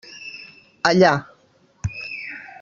Allà.